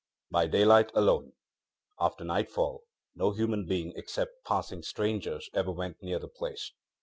By daylight alone; after nightfall no human being except passing strangers ever went near the place.